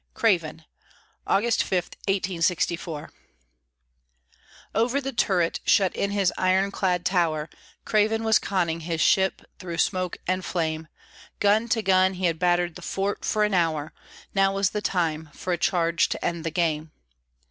CRAVEN [August 5, 1864] Over the turret, shut in his ironclad tower, Craven was conning his ship through smoke and flame; Gun to gun he had battered the fort for an hour. Now was the time for a charge to end the game.